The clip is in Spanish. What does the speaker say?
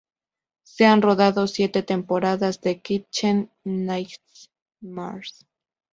Se han rodado siete temporadas de "Kitchen Nightmares".